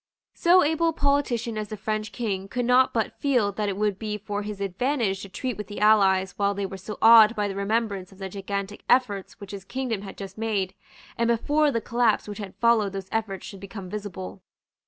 So able a politician as the French King could not but feel that it would be for his advantage to treat with the allies while they were still awed by the remembrance of the gigantic efforts which his kingdom had just made, and before the collapse which had followed those efforts should become visible.